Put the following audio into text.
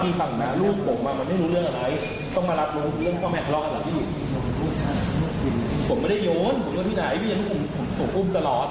ยังไงล่ะพี่เบิร์ด